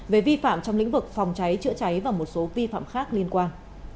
về vi phạm trong lĩnh vực phòng cháy chữa cháy và một số vi phạm khác liên quan